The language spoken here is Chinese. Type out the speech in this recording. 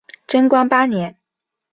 贞观八年。